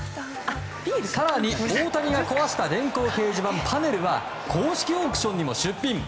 更に、大谷が壊した電光掲示板パネルは公式オークションにも出品。